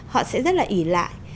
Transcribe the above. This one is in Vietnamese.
họ sẽ rất là ỉ lại